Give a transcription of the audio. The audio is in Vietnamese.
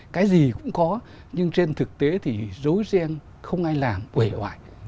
cái gì cũng có nhưng trên thực tế thì dối ghen không ai làm quể hoại